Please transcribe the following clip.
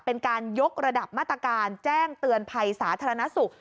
เป็นการยกระดับมาตรการแจ้งเตือนภัยสาธารณสุข